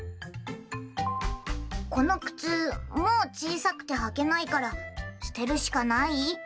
このくつもうちいさくてはけないからすてるしかない？